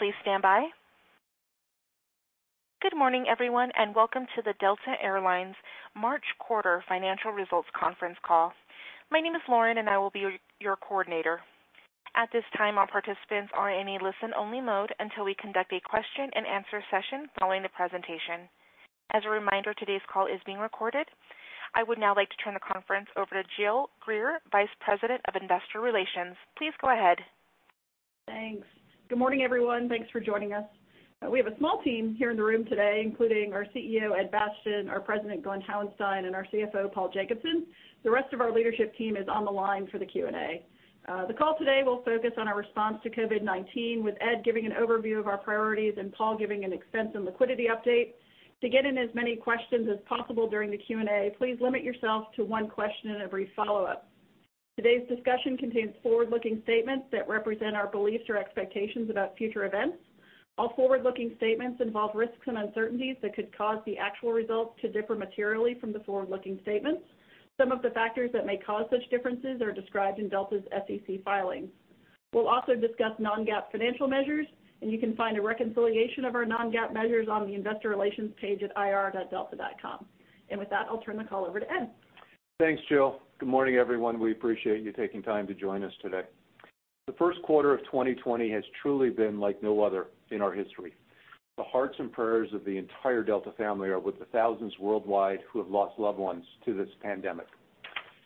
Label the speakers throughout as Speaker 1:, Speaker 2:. Speaker 1: Please stand by. Good morning, everyone, and welcome to the Delta Air Lines March Quarter Financial Results Conference Call. My name is Lauren, and I will be your coordinator. At this time, all participants are in a listen-only mode until we conduct a question-and-answer session following the presentation. As a reminder, today's call is being recorded. I would now like to turn the conference over to Jill Greer, Vice President of Investor Relations. Please go ahead.
Speaker 2: Thanks. Good morning, everyone. Thanks for joining us. We have a small team here in the room today, including our CEO, Ed Bastian, our President, Glen Hauenstein, and our CFO, Paul. The rest of our leadership team is on the line for the Q&A. The call today will focus on our response to COVID-19, with Ed giving an overview of our priorities and Paul giving an expense and liquidity update. To get in as many questions as possible during the Q&A, please limit yourself to one question and a brief follow-up. Today's discussion contains forward-looking statements that represent our beliefs or expectations about future events. All forward-looking statements involve risks and uncertainties that could cause the actual results to differ materially from the forward-looking statements. Some of the factors that may cause such differences are described in Delta's SEC filings. We'll also discuss non-GAAP financial measures, and you can find a reconciliation of our non-GAAP measures on the investor relations page at ir.delta.com. With that, I'll turn the call over to Ed.
Speaker 3: Thanks, Jill. Good morning, everyone. We appreciate you taking time to join us today. The first quarter of 2020 has truly been like no other in our history. The hearts and prayers of the entire Delta family are with the thousands worldwide who have lost loved ones to this pandemic.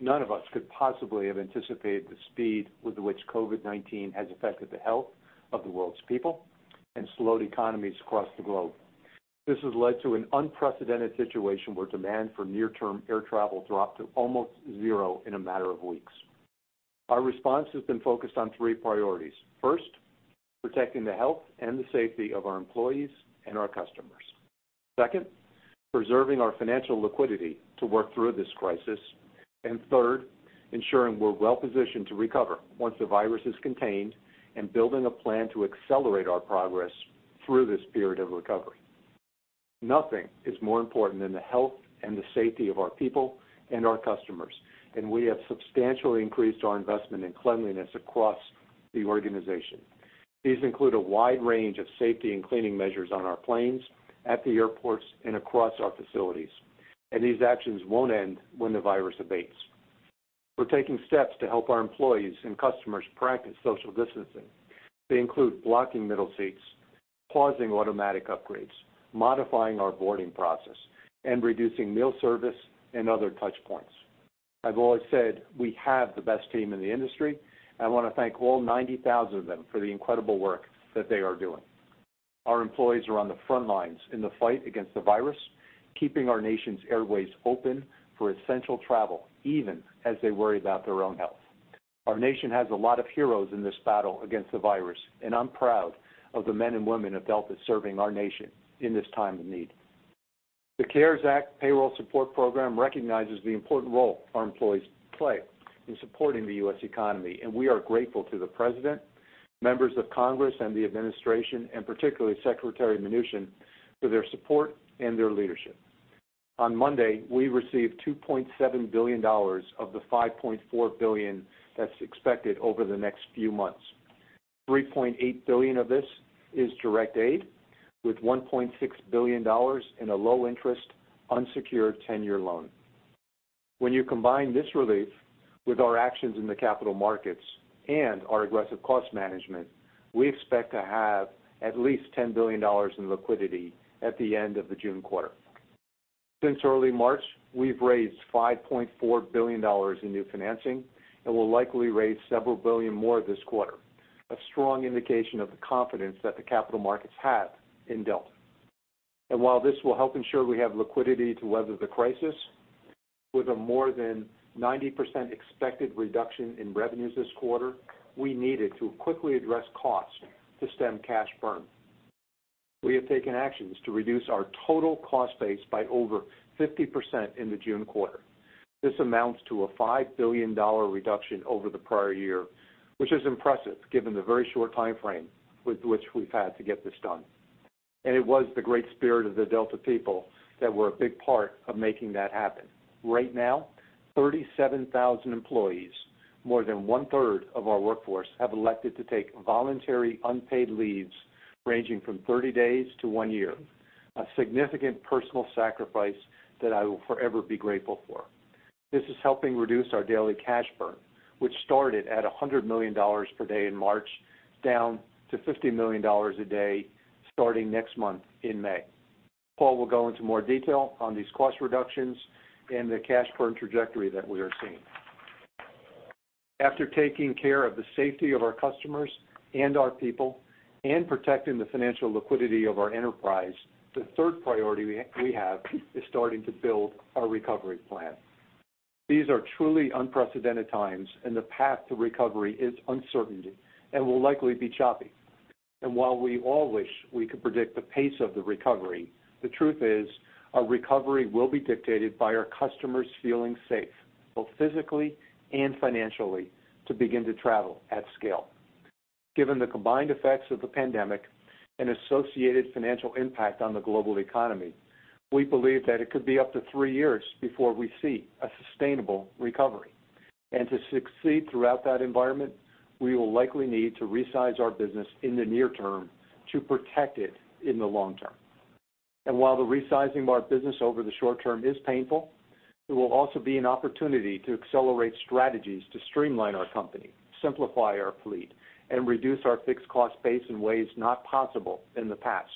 Speaker 3: None of us could possibly have anticipated the speed with which COVID-19 has affected the health of the world's people and slowed economies across the globe. This has led to an unprecedented situation where demand for near-term air travel dropped to almost zero in a matter of weeks. Our response has been focused on three priorities. First, protecting the health and the safety of our employees and our customers. Second, preserving our financial liquidity to work through this crisis. Third, ensuring we're well-positioned to recover once the virus is contained and building a plan to accelerate our progress through this period of recovery. Nothing is more important than the health and the safety of our people and our customers, and we have substantially increased our investment in cleanliness across the organization. These include a wide range of safety and cleaning measures on our planes, at the airports, and across our facilities. These actions won't end when the virus abates. We're taking steps to help our employees and customers practice social distancing. They include blocking middle seats, pausing automatic upgrades, modifying our boarding process, and reducing meal service and other touchpoints. I've always said we have the best team in the industry. I want to thank all 90,000 of them for the incredible work that they are doing. Our employees are on the front lines in the fight against the virus, keeping our nation's airways open for essential travel, even as they worry about their own health. Our nation has a lot of heroes in this battle against the virus, and I'm proud of the men and women of Delta Air Lines serving our nation in this time of need. The CARES Act Payroll Support Program recognizes the important role our employees play in supporting the U.S. economy, and we are grateful to the President, members of Congress and the administration, and particularly Secretary Mnuchin, for their support and their leadership. On Monday, we received $2.7 billion of the $5.4 billion that's expected over the next few months. $3.8 billion of this is direct aid, with $1.6 billion in a low-interest, unsecured 10-year loan. When you combine this relief with our actions in the capital markets and our aggressive cost management, we expect to have at least $10 billion in liquidity at the end of the June quarter. Since early March, we've raised $5.4 billion in new financing and will likely raise several billion more this quarter, a strong indication of the confidence that the capital markets have in Delta. While this will help ensure we have liquidity to weather the crisis, with a more than 90% expected reduction in revenues this quarter, we needed to quickly address costs to stem cash burn. We have taken actions to reduce our total cost base by over 50% in the June quarter. This amounts to a $5 billion reduction over the prior year, which is impressive given the very short timeframe with which we've had to get this done. It was the great spirit of the Delta people that were a big part of making that happen. Right now, 37,000 employees, more than 1/3 of our workforce, have elected to take voluntary unpaid leaves ranging from 30 days to one year, a significant personal sacrifice that I will forever be grateful for. This is helping reduce our daily cash burn, which started at $100 million per day in March, down to $50 million a day starting next month in May. Paul will go into more detail on these cost reductions and the cash burn trajectory that we are seeing. After taking care of the safety of our customers and our people and protecting the financial liquidity of our enterprise, the third priority we have is starting to build our recovery plan. These are truly unprecedented times, and the path to recovery is uncertainty and will likely be choppy. While we all wish we could predict the pace of the recovery, the truth is, our recovery will be dictated by our customers feeling safe, both physically and financially, to begin to travel at scale. Given the combined effects of the pandemic and associated financial impact on the global economy, we believe that it could be up to three years before we see a sustainable recovery. To succeed throughout that environment, we will likely need to resize our business in the near term to protect it in the long term. While the resizing of our business over the short term is painful, it will also be an opportunity to accelerate strategies to streamline our company, simplify our fleet, and reduce our fixed cost base in ways not possible in the past.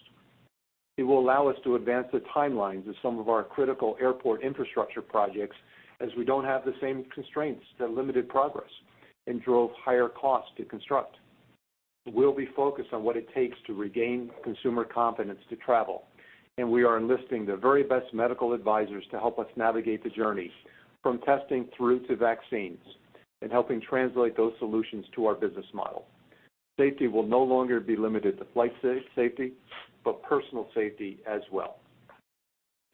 Speaker 3: It will allow us to advance the timelines of some of our critical airport infrastructure projects as we don't have the same constraints that limited progress and drove higher costs to construct. We'll be focused on what it takes to regain consumer confidence to travel. We are enlisting the very best medical advisors to help us navigate the journey from testing through to vaccines and helping translate those solutions to our business model. Safety will no longer be limited to flight safety, but personal safety as well.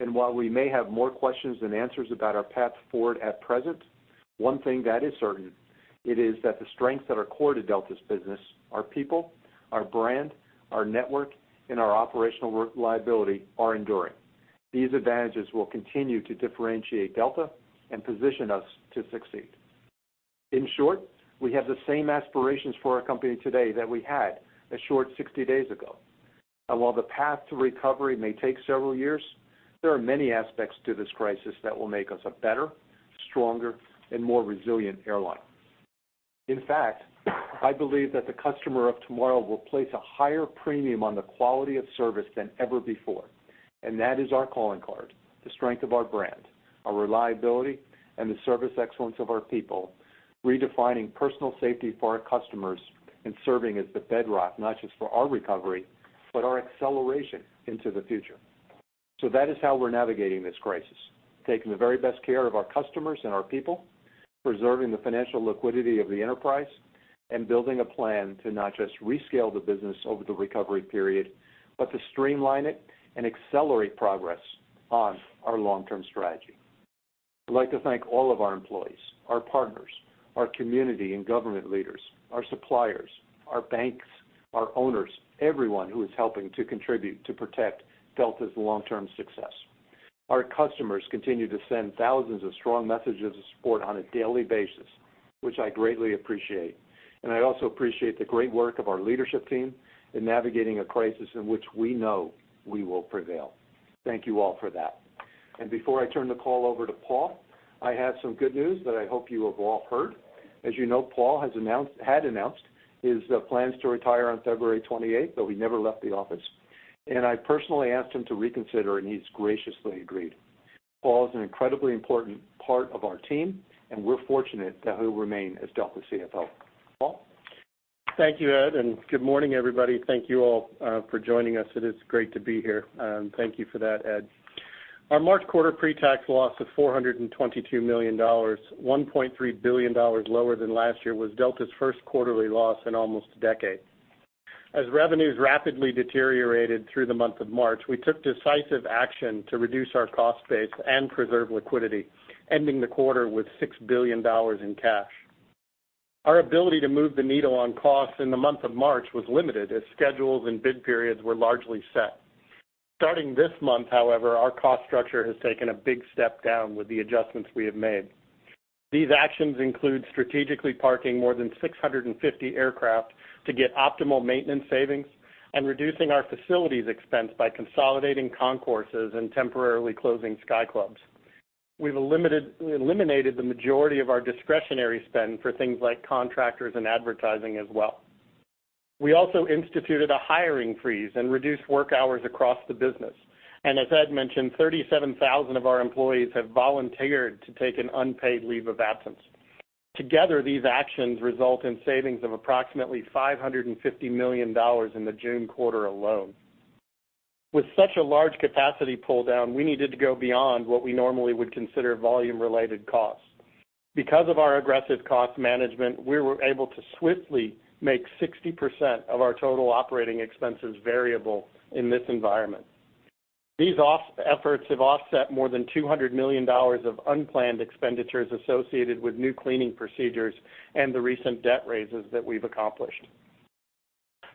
Speaker 3: While we may have more questions than answers about our path forward at present, one thing that is certain, it is that the strengths that are core to Delta's business, our people, our brand, our network, and our operational reliability are enduring. These advantages will continue to differentiate Delta and position us to succeed. In short, we have the same aspirations for our company today that we had a short 60 days ago. While the path to recovery may take several years, there are many aspects to this crisis that will make us a better, stronger, and more resilient airline. In fact, I believe that the customer of tomorrow will place a higher premium on the quality of service than ever before, and that is our calling card, the strength of our brand, our reliability, and the service excellence of our people, redefining personal safety for our customers and serving as the bedrock not just for our recovery, but our acceleration into the future. That is how we're navigating this crisis, taking the very best care of our customers and our people, preserving the financial liquidity of the enterprise, and building a plan to not just rescale the business over the recovery period, but to streamline it and accelerate progress on our long-term strategy. I'd like to thank all of our employees, our partners, our community and government leaders, our suppliers, our banks, our owners, everyone who is helping to contribute to protect Delta's long-term success. Our customers continue to send thousands of strong messages of support on a daily basis, which I greatly appreciate. I also appreciate the great work of our leadership team in navigating a crisis in which we know we will prevail. Thank you all for that. Before I turn the call over to Paul, I have some good news that I hope you have all heard. As you know, Paul had announced his plans to retire on February 28th, though he never left the office. I personally asked him to reconsider, and he's graciously agreed. Paul is an incredibly important part of our team, and we're fortunate that he'll remain as Delta CFO. Paul?
Speaker 4: Thank you, Ed. Good morning, everybody. Thank you all for joining us. It is great to be here. Thank you for that, Ed. Our March quarter pre-tax loss of $422 million, $1.3 billion lower than last year, was Delta's first quarterly loss in almost a decade. As revenues rapidly deteriorated through the month of March, we took decisive action to reduce our cost base and preserve liquidity, ending the quarter with $6 billion in cash. Our ability to move the needle on costs in the month of March was limited as schedules and bid periods were largely set. Starting this month, however, our cost structure has taken a big step down with the adjustments we have made. These actions include strategically parking more than 650 aircraft to get optimal maintenance savings and reducing our facilities expense by consolidating concourses and temporarily closing Sky Clubs. We've eliminated the majority of our discretionary spend for things like contractors and advertising as well. We also instituted a hiring freeze and reduced work hours across the business. As Ed mentioned, 37,000 of our employees have volunteered to take an unpaid leave of absence. Together, these actions result in savings of approximately $550 million in the June quarter alone. With such a large capacity pull-down, we needed to go beyond what we normally would consider volume-related costs. Because of our aggressive cost management, we were able to swiftly make 60% of our total operating expenses variable in this environment. These efforts have offset more than $200 million of unplanned expenditures associated with new cleaning procedures and the recent debt raises that we've accomplished.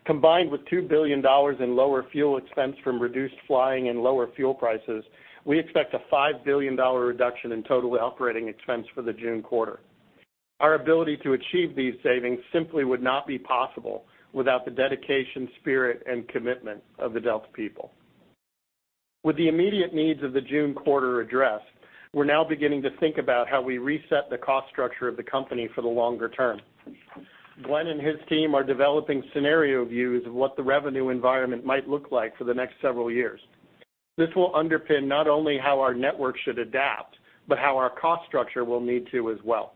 Speaker 4: Combined with $2 billion in lower fuel expense from reduced flying and lower fuel prices, we expect a $5 billion reduction in total operating expense for the June quarter. Our ability to achieve these savings simply would not be possible without the dedication, spirit, and commitment of the Delta people. With the immediate needs of the June quarter addressed, we're now beginning to think about how we reset the cost structure of the company for the longer term. Glen and his team are developing scenario views of what the revenue environment might look like for the next several years. This will underpin not only how our network should adapt, but how our cost structure will need to as well.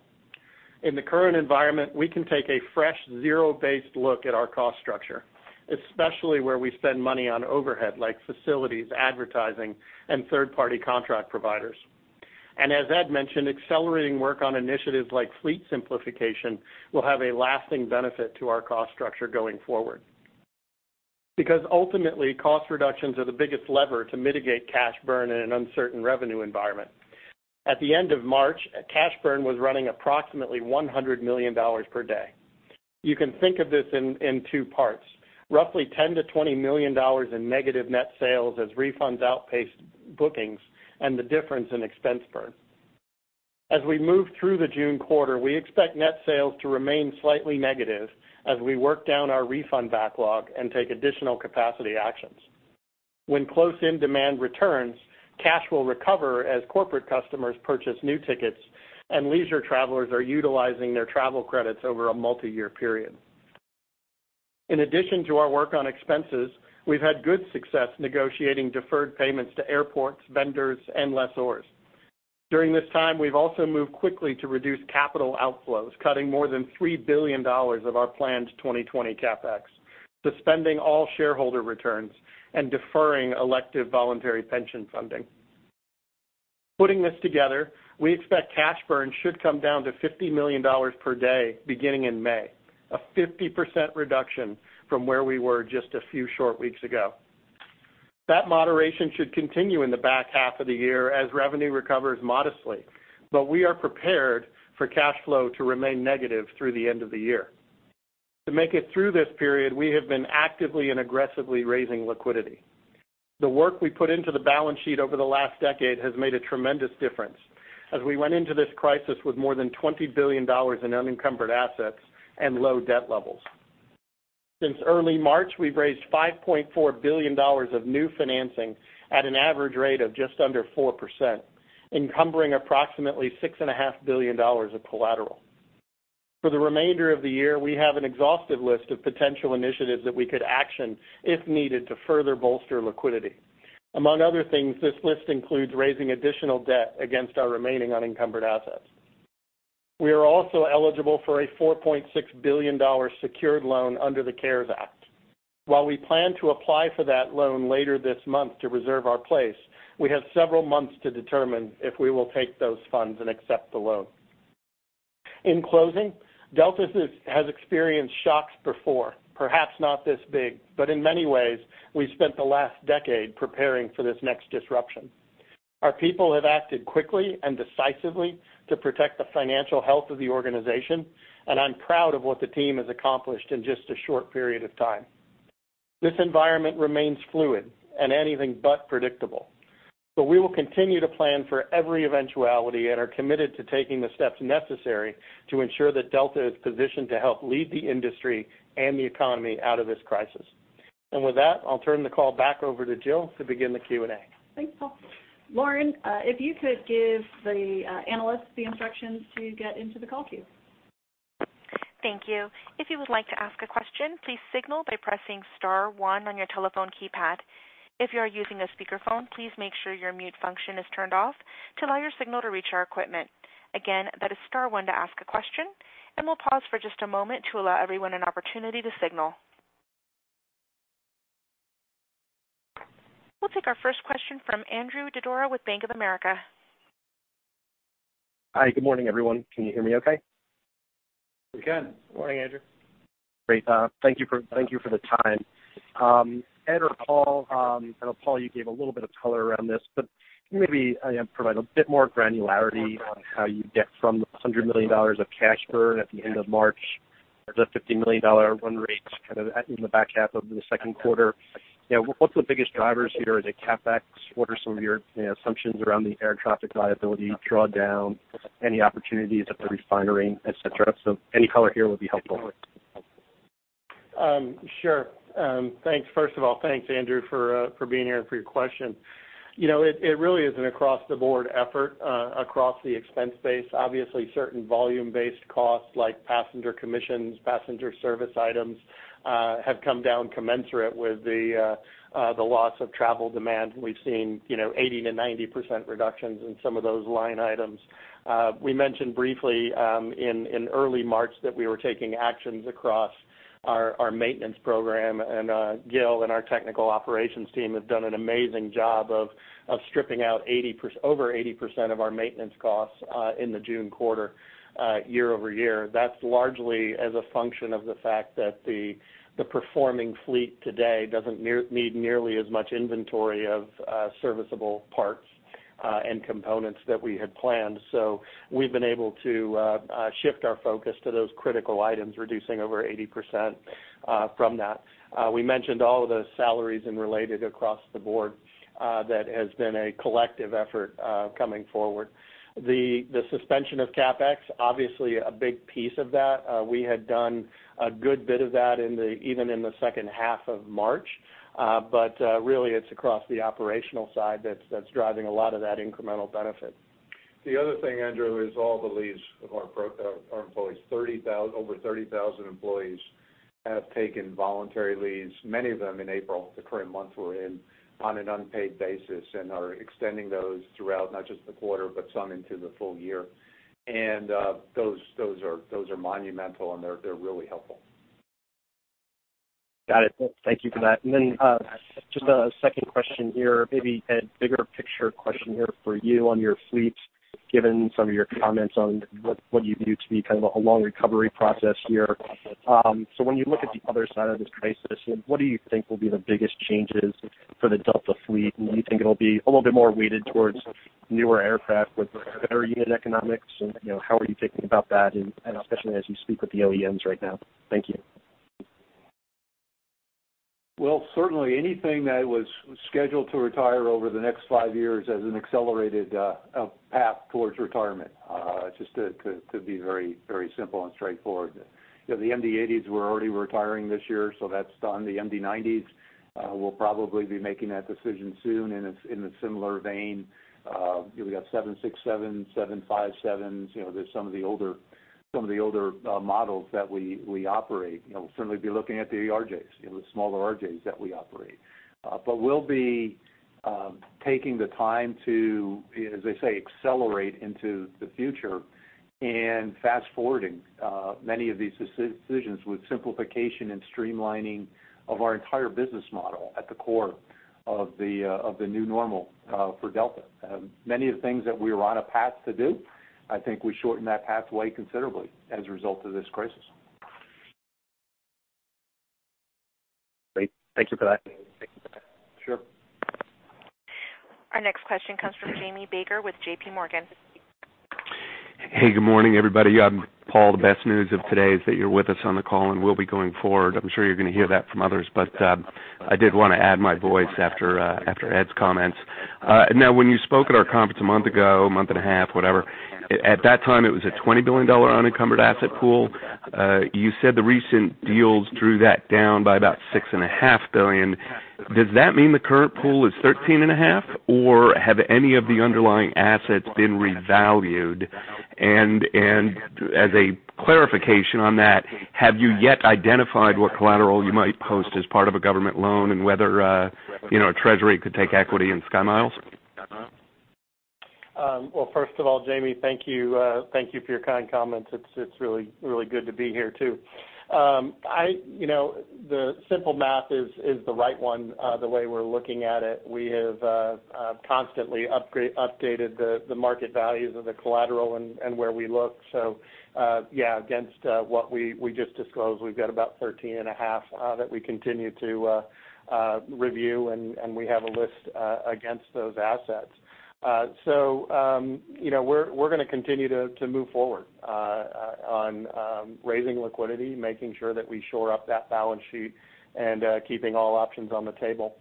Speaker 4: In the current environment, we can take a fresh, zero-based look at our cost structure, especially where we spend money on overhead, like facilities, advertising, and third-party contract providers. As Ed mentioned, accelerating work on initiatives like fleet simplification will have a lasting benefit to our cost structure going forward. Ultimately, cost reductions are the biggest lever to mitigate cash burn in an uncertain revenue environment. At the end of March, cash burn was running approximately $100 million per day. You can think of this in two parts. Roughly $10 million-$20 million in negative net sales as refunds outpaced bookings, and the difference in expense burn. As we move through the June quarter, we expect net sales to remain slightly negative as we work down our refund backlog and take additional capacity actions. When close-in demand returns, cash will recover as corporate customers purchase new tickets and leisure travelers are utilizing their travel credits over a multi-year period. In addition to our work on expenses, we've had good success negotiating deferred payments to airports, vendors, and lessors. During this time, we've also moved quickly to reduce capital outflows, cutting more than $3 billion of our planned 2020 CapEx, suspending all shareholder returns, and deferring elective voluntary pension funding. Putting this together, we expect cash burn should come down to $50 million per day beginning in May. A 50% reduction from where we were just a few short weeks ago. That moderation should continue in the back half of the year as revenue recovers modestly, but we are prepared for cash flow to remain negative through the end of the year. To make it through this period, we have been actively and aggressively raising liquidity. The work we put into the balance sheet over the last decade has made a tremendous difference, as we went into this crisis with more than $20 billion in unencumbered assets and low debt levels. Since early March, we've raised $5.4 billion of new financing at an average rate of just under 4%, encumbering approximately $6.5 billion of collateral. For the remainder of the year, we have an exhaustive list of potential initiatives that we could action if needed to further bolster liquidity. Among other things, this list includes raising additional debt against our remaining unencumbered assets. We are also eligible for a $4.6 billion secured loan under the CARES Act. While we plan to apply for that loan later this month to reserve our place, we have several months to determine if we will take those funds and accept the loan. In closing, Delta has experienced shocks before, perhaps not this big, but in many ways, we spent the last decade preparing for this next disruption. Our people have acted quickly and decisively to protect the financial health of the organization, and I'm proud of what the team has accomplished in just a short period of time. This environment remains fluid and anything but predictable. We will continue to plan for every eventuality and are committed to taking the steps necessary to ensure that Delta is positioned to help lead the industry and the economy out of this crisis. With that, I'll turn the call back over to Jill to begin the Q&A.
Speaker 2: Thanks, Paul. Lauren, if you could give the analysts the instructions to get into the call queue.
Speaker 1: Thank you. If you would like to ask a question, please signal by pressing star one on your telephone keypad. If you are using a speakerphone, please make sure your mute function is turned off to allow your signal to reach our equipment. Again, that is star one to ask a question, and we'll pause for just a moment to allow everyone an opportunity to signal. We'll take our first question from Andrew Didora with Bank of America.
Speaker 5: Hi. Good morning, everyone. Can you hear me okay?
Speaker 4: We can.
Speaker 3: Morning, Andrew.
Speaker 5: Great. Thank you for the time. Ed or Paul, I know, Paul, you gave a little bit of color around this, but can you maybe provide a bit more granularity on how you get from the $100 million of cash burn at the end of March to the $50 million run rate in the back half of the second quarter? What's the biggest drivers here? Is it CapEx? What are some of your assumptions around the air traffic viability drawdown, any opportunities at the refinery, et cetera? Any color here would be helpful.
Speaker 4: Sure. First of all, thanks, Andrew, for being here and for your question. It really is an across the board effort, across the expense base. Obviously, certain volume-based costs like passenger commissions, passenger service items, have come down commensurate with the loss of travel demand. We've seen 80%-90% reductions in some of those line items. We mentioned briefly in early March that we were taking actions across our maintenance program, and Jill and our technical operations team have done an amazing job of stripping out over 80% of our maintenance costs in the June quarter year-over-year. That's largely as a function of the fact that the performing fleet today doesn't need nearly as much inventory of serviceable parts and components that we had planned. We've been able to shift our focus to those critical items, reducing over 80% from that. We mentioned all of the salaries and related across the board. That has been a collective effort coming forward. The suspension of CapEx, obviously a big piece of that. We had done a good bit of that even in the second half of March. Really it's across the operational side that's driving a lot of that incremental benefit.
Speaker 3: The other thing, Andrew, is all the leaves of our employees. Over 30,000 employees have taken voluntary leaves, many of them in April, the current month we're in, on an unpaid basis, and are extending those throughout not just the quarter, but some into the full year. Those are monumental, and they're really helpful.
Speaker 5: Got it. Thank you for that. Just a second question here. Maybe a bigger picture question here for you on your fleet, given some of your comments on what you view to be kind of a long recovery process here. When you look at the other side of this crisis, what do you think will be the biggest changes for the Delta fleet? Do you think it'll be a little bit more weighted towards newer aircraft with better unit economics? How are you thinking about that, and especially as you speak with the OEMs right now? Thank you.
Speaker 3: Well, certainly anything that was scheduled to retire over the next five years has an accelerated path towards retirement, just to be very simple and straightforward. The MD-80s were already retiring this year, so that's done. The MD-90s, we'll probably be making that decision soon, and it's in a similar vein. We got 767s, 757s. There's some of the older models that we operate. We'll certainly be looking at the ERJs, the smaller RJs that we operate. We'll be taking the time to, as they say, accelerate into the future and fast-forwarding many of these decisions with simplification and streamlining of our entire business model at the core of the new normal for Delta. Many of the things that we were on a path to do, I think we shorten that pathway considerably as a result of this crisis.
Speaker 5: Great. Thank you for that.
Speaker 3: Sure.
Speaker 1: Our next question comes from Jamie Baker with J.P. Morgan.
Speaker 6: Hey, good morning, everybody. Paul, the best news of today is that you're with us on the call, and we'll be going forward. I'm sure you're going to hear that from others, but I did want to add my voice after Ed's comments. Now, when you spoke at our conference a month ago, month and a half, whatever, at that time, it was a $20 billion unencumbered asset pool. You said the recent deals drew that down by about $6.5 billion. Does that mean the current pool is $13.5 billion, or have any of the underlying assets been revalued? As a clarification on that, have you yet identified what collateral you might post as part of a government loan and whether Treasury could take equity in SkyMiles?
Speaker 4: Well, first of all, Jamie, thank you for your kind comments. It's really good to be here, too. The simple math is the right one the way we're looking at it. We have constantly updated the market values of the collateral and where we look. Yeah, against what we just disclosed, we've got about $13.5 billion that we continue to review, and we have a list against those assets. We're going to continue to move forward on raising liquidity, making sure that we shore up that balance sheet, and keeping all options on the table.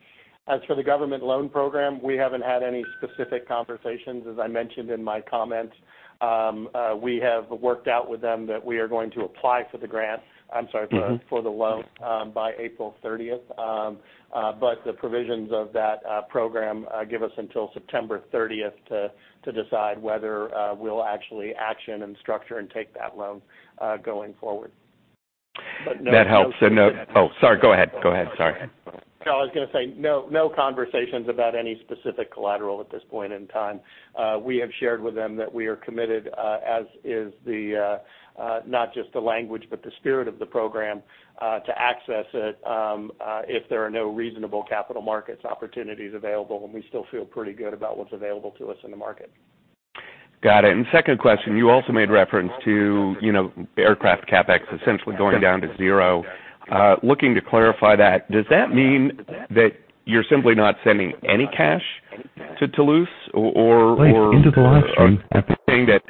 Speaker 4: As for the government loan program, we haven't had any specific conversations. As I mentioned in my comments, we have worked out with them that we are going to apply for the grants. For the loan by April 30th. The provisions of that program give us until September 30th to decide whether we'll actually action and structure and take that loan going forward.
Speaker 6: That helps to know. Oh, sorry. Go ahead. Sorry.
Speaker 4: No, I was going to say, no conversations about any specific collateral at this point in time. We have shared with them that we are committed, as is not just the language, but the spirit of the program, to access it if there are no reasonable capital markets opportunities available, and we still feel pretty good about what's available to us in the market.
Speaker 6: Got it. Second question, you also made reference to aircraft CapEx essentially going down to zero. Looking to clarify that, does that mean that you're simply not sending any cash to Toulouse or? Saying that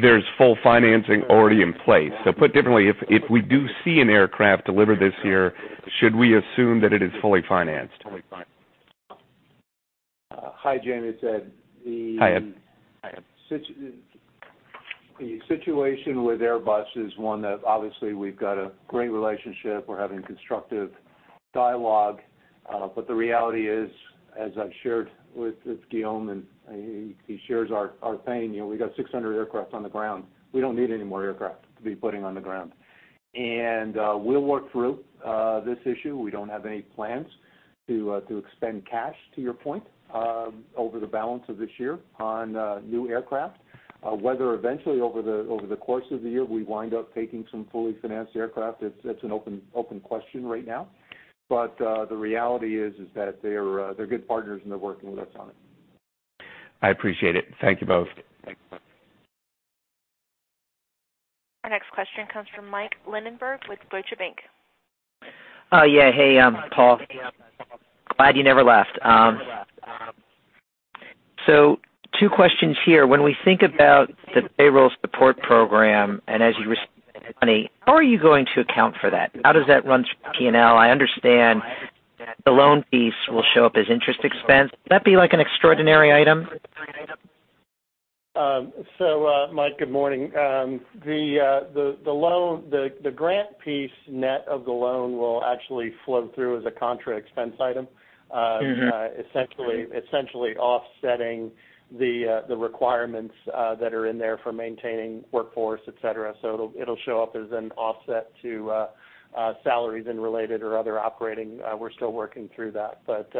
Speaker 6: there's full financing already in place? Put differently, if we do see an aircraft delivered this year, should we assume that it is fully financed?
Speaker 3: Hi, Jamie. It's Ed.
Speaker 6: Hi, Ed.
Speaker 3: The situation with Airbus is one that obviously we've got a great relationship. We're having constructive dialogue. The reality is, as I've shared with Guillaume, and he shares our pain, we got 600 aircraft on the ground. We don't need any more aircraft to be putting on the ground. We'll work through this issue. We don't have any plans to expend cash, to your point, over the balance of this year on new aircraft. Whether eventually over the course of the year, we wind up taking some fully financed aircraft, it's an open question right now. The reality is that they're good partners and they're working with us on it.
Speaker 6: I appreciate it. Thank you both.
Speaker 1: Our next question comes from Mike Linenberg with Deutsche Bank.
Speaker 7: Yeah. Hey, Paul. Glad you never left. Two questions here. When we think about the Payroll Support Program, and as you receive the money, how are you going to account for that? How does that run through P&L? I understand the loan piece will show up as interest expense. Will that be like an extraordinary item?
Speaker 4: Mike, good morning. The grant piece net of the loan will actually flow through as a contra expense item, essentially offsetting the requirements that are in there for maintaining workforce, et cetera. It'll show up as an offset to salaries and related or other operating. We're still working through that, but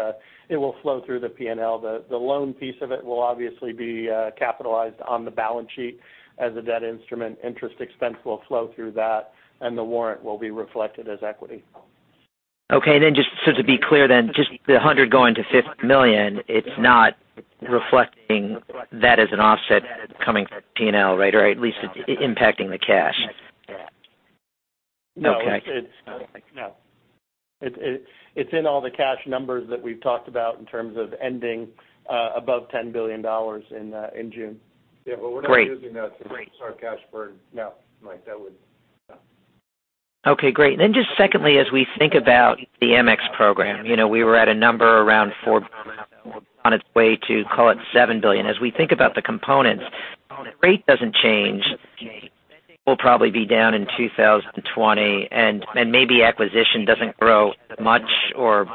Speaker 4: it will flow through the P&L. The loan piece of it will obviously be capitalized on the balance sheet as a debt instrument. Interest expense will flow through that, and the warrant will be reflected as equity.
Speaker 7: Okay. Just so to be clear, just the $100 million going to $50 million, it's not reflecting that as an offset coming from P&L, right? At least it's impacting the cash?
Speaker 4: No. No. It's in all the cash numbers that we've talked about in terms of ending above $10 billion in June.
Speaker 3: Yeah, but we're not using that to start cash burn. No, Mike, No.
Speaker 7: Okay, great. Just secondly, as we think about the Amex program, we were at a number around four on its way to call it $7 billion. As we think about the components, rate doesn't change, will probably be down in 2020 and maybe acquisition doesn't grow much or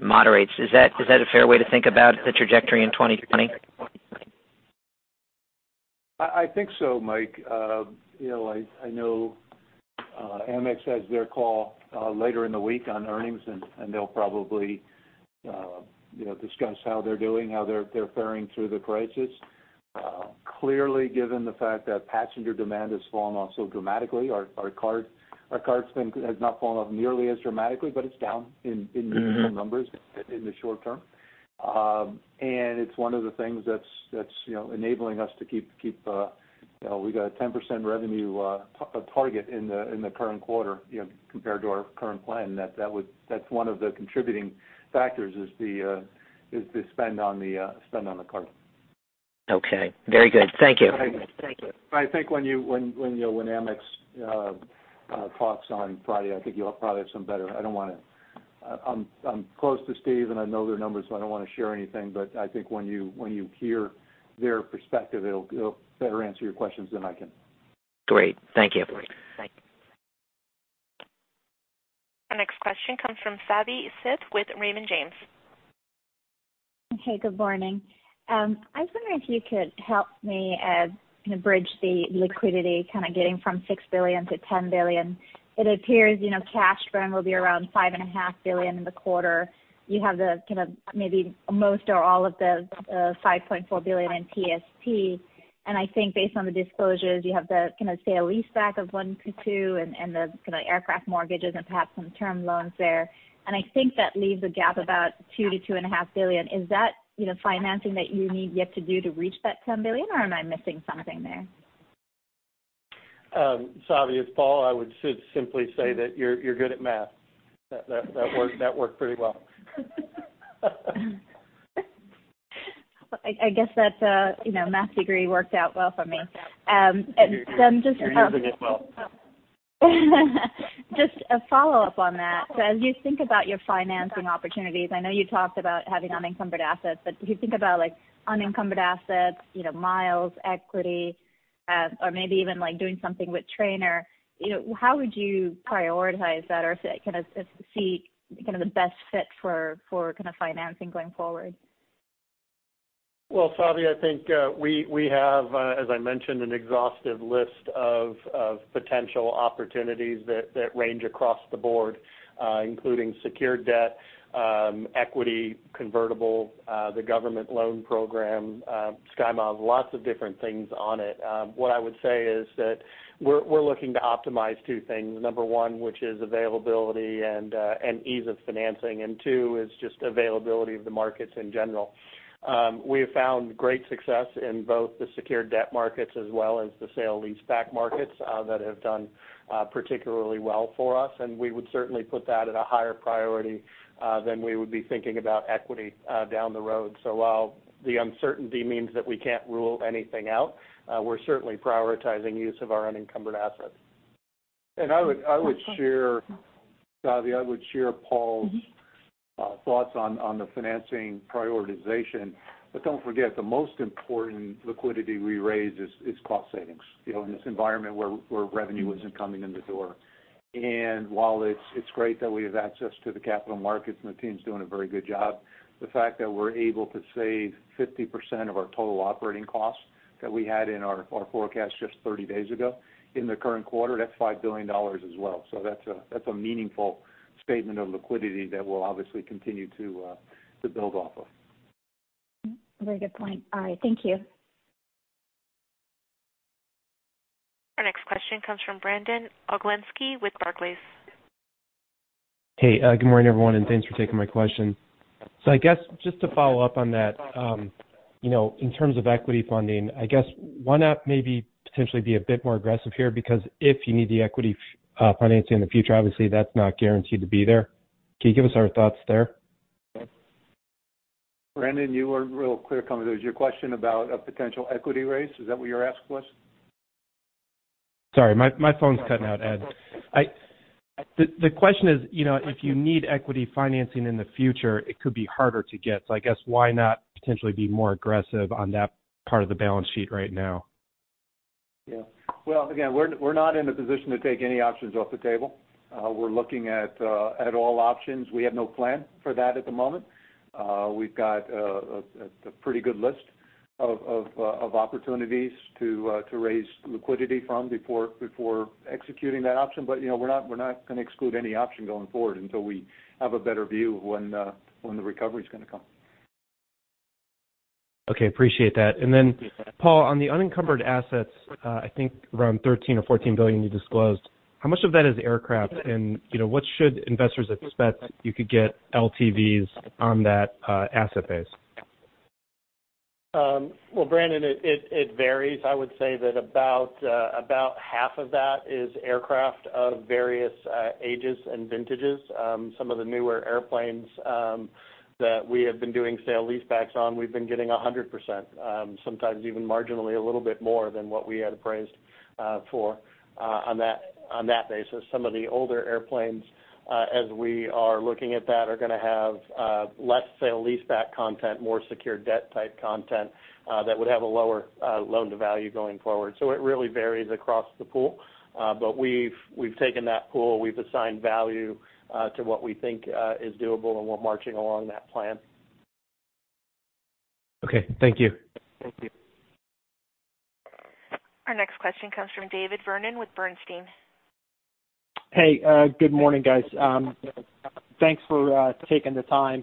Speaker 7: moderates. Is that a fair way to think about the trajectory in 2020?
Speaker 3: I think so, Mike. I know Amex has their call later in the week on earnings, and they'll probably discuss how they're doing, how they're faring through the crisis. Clearly, given the fact that passenger demand has fallen off so dramatically, our cards has not fallen off nearly as dramatically, but it's down in numbers in the short term. It's one of the things that's enabling us. We got a 10% revenue target in the current quarter compared to our current plan. That's one of the contributing factors is the spend on the card.
Speaker 7: Okay. Very good. Thank you.
Speaker 3: I think when Amex talks on Friday, I'm close to Steve, and I know their numbers, so I don't want to share anything, but I think when you hear their perspective, it'll better answer your questions than I can.
Speaker 7: Great. Thank you.
Speaker 1: Our next question comes from Savi Syth with Raymond James.
Speaker 8: Okay, good morning. I was wondering if you could help me kind of bridge the liquidity, kind of getting from $6 billion to $10 billion. It appears cash burn will be around $5.5 billion in the quarter. You have the kind of maybe most or all of the $5.4 billion in PSP. I think based on the disclosures, you have the kind of sale-leaseback of one to two and the kind of aircraft mortgages and perhaps some term loans there. I think that leaves a gap about $2 billion-$2.5 billion. Is that financing that you need yet to do to reach that $10 billion, or am I missing something there?
Speaker 4: Savi, it's Paul. I would simply say that you're good at math. That worked pretty well.
Speaker 8: I guess that math degree worked out well for me.
Speaker 4: You're using it well.
Speaker 8: Just a follow-up on that. As you think about your financing opportunities, I know you talked about having unencumbered assets, but if you think about unencumbered assets, miles, equity, or maybe even doing something with Trainer, how would you prioritize that or kind of see the best fit for kind of financing going forward?
Speaker 4: Savi, I think we have, as I mentioned, an exhaustive list of potential opportunities that range across the board, including secured debt, equity, convertible, the government loan program, SkyMiles, lots of different things on it. What I would say is that we're looking to optimize two things. Number one, which is availability and ease of financing, and two is just availability of the markets in general. We have found great success in both the secured debt markets as well as the sale-leaseback markets that have done particularly well for us, and we would certainly put that at a higher priority than we would be thinking about equity down the road. While the uncertainty means that we can't rule anything out, we're certainly prioritizing use of our unencumbered assets.
Speaker 3: I would share, Savi, Paul's thoughts on the financing prioritization. Don't forget, the most important liquidity we raise is cost savings. In this environment where revenue isn't coming in the door. While it's great that we have access to the capital markets, and the team's doing a very good job, the fact that we're able to save 50% of our total operating costs that we had in our forecast just 30 days ago in the current quarter, that's $5 billion as well. That's a meaningful statement of liquidity that we'll obviously continue to build off of.
Speaker 8: Very good point. All right. Thank you.
Speaker 1: Our next question comes from Brandon Oglenski with Barclays.
Speaker 9: Hey, good morning, everyone, and thanks for taking my question. I guess just to follow up on that, in terms of equity funding, I guess why not maybe potentially be a bit more aggressive here, because if you need the equity financing in the future, obviously that's not guaranteed to be there. Can you give us your thoughts there?
Speaker 3: Brandon, you were real clear coming through. Is your question about a potential equity raise? Is that what your ask was?
Speaker 9: Sorry, my phone's cutting out, Ed. The question is, if you need equity financing in the future, it could be harder to get. I guess why not potentially be more aggressive on that part of the balance sheet right now?
Speaker 3: Yeah. Again, we're not in a position to take any options off the table. We're looking at all options. We have no plan for that at the moment. We've got a pretty good list of opportunities to raise liquidity from before executing that option. We're not going to exclude any option going forward until we have a better view of when the recovery is going to come.
Speaker 9: Okay, appreciate that. Paul, on the unencumbered assets, I think around $13 billion or $14 billion you disclosed, how much of that is aircraft? What should investors expect you could get LTVs on that asset base?
Speaker 4: Brandon, it varies. I would say that about half of that is aircraft of various ages and vintages. Some of the newer airplanes that we have been doing sale-leasebacks on, we've been getting 100%, sometimes even marginally a little bit more than what we had appraised for on that basis. Some of the older airplanes, as we are looking at that, are going to have less sale-leaseback content, more secured debt-type content that would have a lower loan-to-value going forward. It really varies across the pool. We've taken that pool, we've assigned value to what we think is doable, and we're marching along that plan.
Speaker 9: Okay. Thank you.
Speaker 4: Thank you.
Speaker 1: Our next question comes from David Vernon with Bernstein.
Speaker 10: Hey, good morning, guys. Thanks for taking the time.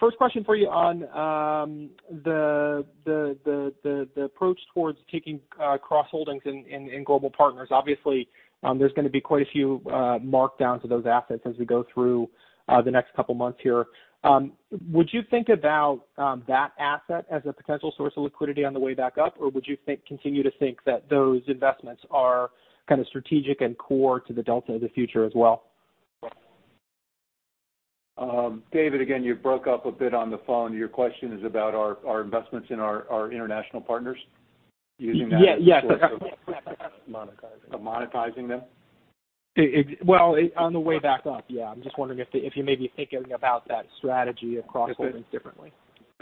Speaker 10: First question for you on the approach towards taking cross-holdings in global partners. Obviously, there's going to be quite a few markdowns of those assets as we go through the next couple of months here. Would you think about that asset as a potential source of liquidity on the way back up, or would you continue to think that those investments are kind of strategic and core to the Delta of the future as well?
Speaker 3: David, again, you broke up a bit on the phone. Your question is about our investments in our international partners?
Speaker 10: Yes.
Speaker 3: As a source of monetizing them?
Speaker 10: Well, on the way back up, yeah. I'm just wondering if you may be thinking about that strategy of cross-holdings differently?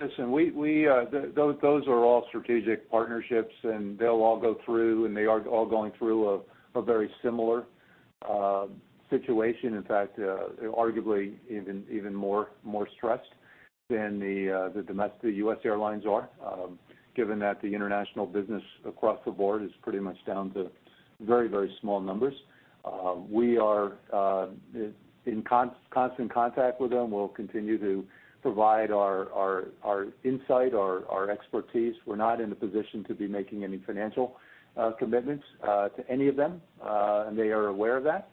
Speaker 3: Listen, those are all strategic partnerships, and they'll all go through, and they are all going through a very similar situation. In fact, arguably even more stressed than the domestic U.S. airlines are, given that the international business across the board is pretty much down to very, very small numbers. We are in constant contact with them. We'll continue to provide our insight, our expertise. We're not in a position to be making any financial commitments to any of them. They are aware of that.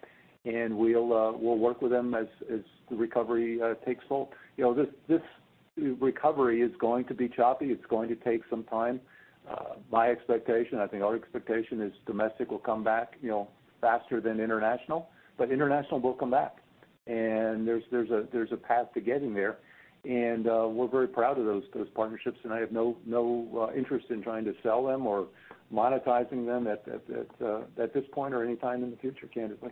Speaker 3: We'll work with them as the recovery takes hold. This recovery is going to be choppy. It's going to take some time. My expectation, I think our expectation, is domestic will come back faster than international. International will come back, and there's a path to getting there. We're very proud of those partnerships, and I have no interest in trying to sell them or monetizing them at this point or any time in the future, candidly.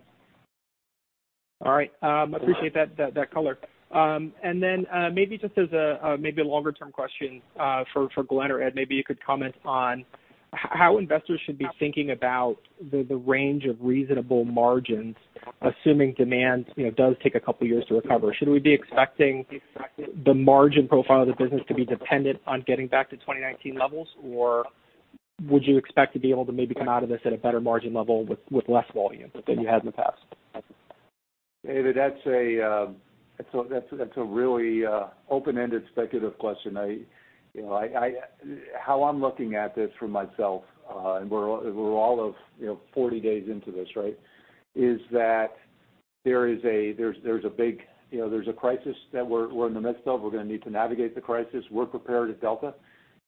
Speaker 10: All right. Appreciate that color. Maybe just as a longer-term question for Glen or Ed, maybe you could comment on how investors should be thinking about the range of reasonable margins, assuming demand does take a couple of years to recover. Should we be expecting the margin profile of the business to be dependent on getting back to 2019 levels? Would you expect to be able to maybe come out of this at a better margin level with less volume than you had in the past?
Speaker 3: David, that's a really open-ended, speculative question. How I'm looking at this for myself, and we're all of 40 days into this, right, is that there's a crisis that we're in the midst of. We're going to need to navigate the crisis. We're prepared at Delta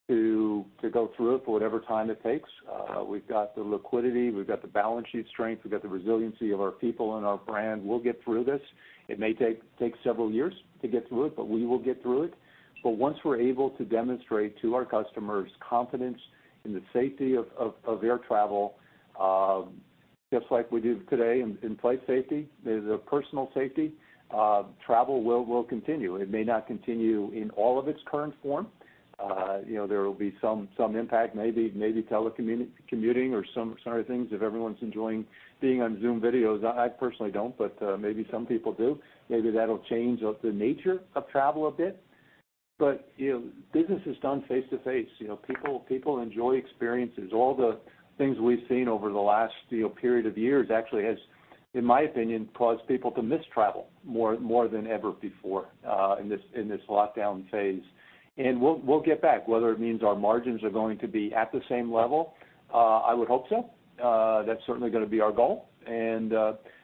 Speaker 3: to go through it for whatever time it takes. We've got the liquidity. We've got the balance sheet strength. We've got the resiliency of our people and our brand. We'll get through this. It may take several years to get through it, but we will get through it. Once we're able to demonstrate to our customers confidence in the safety of air travel, just like we do today in flight safety, personal safety, travel will continue. It may not continue in all of its current form. There will be some impact, maybe telecommuting or some of these things if everyone's enjoying being on Zoom videos. I personally don't, but maybe some people do. Maybe that'll change the nature of travel a bit. Business is done face-to-face. People enjoy experiences. All the things we've seen over the last period of years actually has, in my opinion, caused people to miss travel more than ever before in this lockdown phase. We'll get back. Whether it means our margins are going to be at the same level, I would hope so. That's certainly going to be our goal.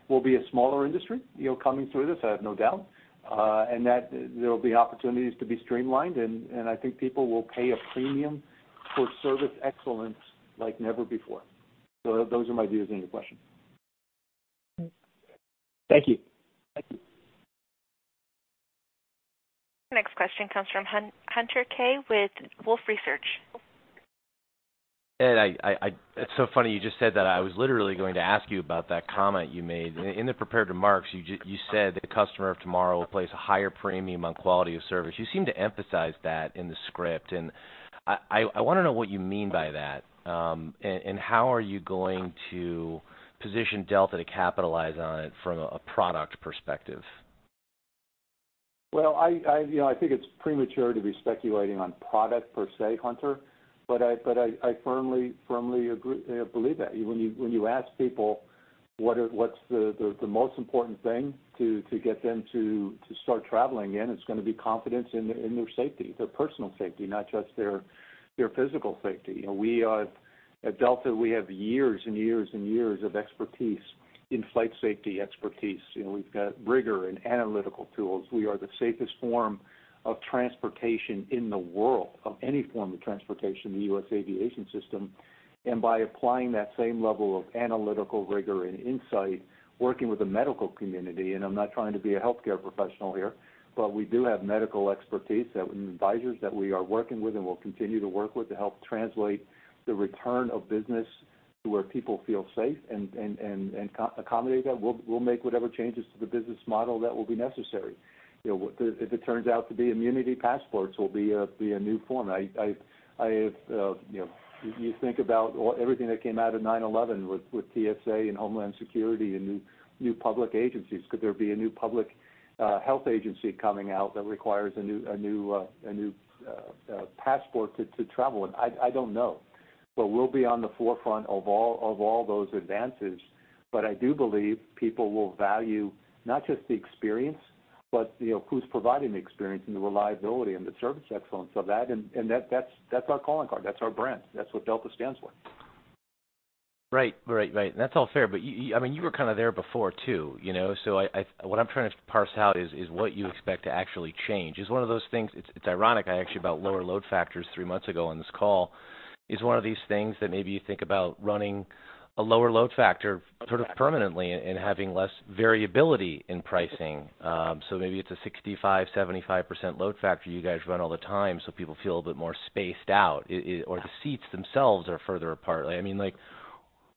Speaker 3: We'll be a smaller industry coming through this, I have no doubt. That there will be opportunities to be streamlined, and I think people will pay a premium for service excellence like never before. Those are my views on your question.
Speaker 10: Thank you.
Speaker 3: Thank you.
Speaker 1: Next question comes from Hunter Keay with Wolfe Research.
Speaker 11: Ed, it's so funny you just said that. I was literally going to ask you about that comment you made. In the prepared remarks, you said the customer of tomorrow will place a higher premium on quality of service. You seem to emphasize that in the script, I want to know what you mean by that. How are you going to position Delta to capitalize on it from a product perspective?
Speaker 3: Well, I think it's premature to be speculating on product per se, Hunter. I firmly believe that. When you ask people, what's the most important thing to get them to start traveling again? It's going to be confidence in their safety, their personal safety, not just their physical safety. At Delta, we have years and years and years of expertise in flight safety. We've got rigor and analytical tools. We are the safest form of transportation in the world, of any form of transportation in the U.S. aviation system. By applying that same level of analytical rigor and insight, working with the medical community, and I'm not trying to be a healthcare professional here, but we do have medical expertise that, and advisors that we are working with and will continue to work with to help translate the return of business to where people feel safe and accommodate that. We'll make whatever changes to the business model that will be necessary. If it turns out to be immunity passports will be a new form. Think about everything that came out of 9/11 with TSA and Homeland Security and new public agencies. Could there be a new public health agency coming out that requires a new passport to travel? I don't know. We'll be on the forefront of all those advances. I do believe people will value not just the experience, but who's providing the experience and the reliability and the service excellence of that. That's our calling card. That's our brand. That's what Delta stands for.
Speaker 11: Right. That's all fair, but you were kind of there before, too. What I'm trying to parse out is what you expect to actually change. Is it one of those things, it's ironic, I actually about lower load factors three months ago on this call. Is it one of these things that maybe you think about running a lower load factor sort of permanently and having less variability in pricing? Maybe it's a 65%-75% load factor you guys run all the time so people feel a bit more spaced out. The seats themselves are further apart.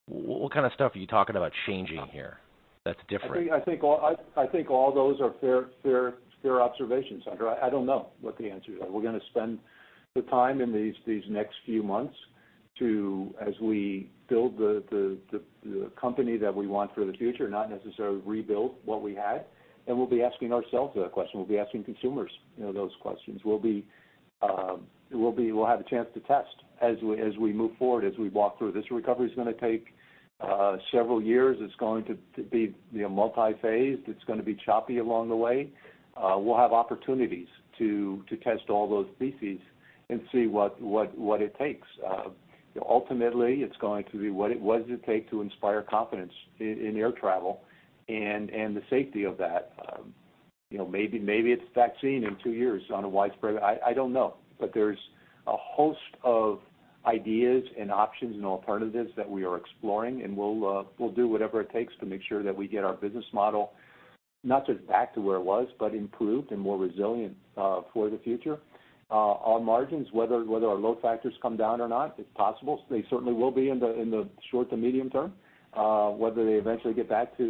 Speaker 11: What kind of stuff are you talking about changing here that's different?
Speaker 3: I think all those are fair observations, Hunter. I don't know what the answers are. We're going to spend the time in these next few months to, as we build the company that we want for the future, not necessarily rebuild what we had, and we'll be asking ourselves that question. We'll be asking consumers those questions. We'll have a chance to test as we move forward, as we walk through. This recovery is going to take several years. It's going to be multi-phased. It's going to be choppy along the way. We'll have opportunities to test all those theses and see what it takes. Ultimately, it's going to be what does it take to inspire confidence in air travel and the safety of that. Maybe it's a vaccine in two years. I don't know. There's a host of ideas and options and alternatives that we are exploring, and we'll do whatever it takes to make sure that we get our business model not just back to where it was, but improved and more resilient for the future. Our margins, whether our load factors come down or not, it's possible. They certainly will be in the short to medium term. Whether they eventually get back to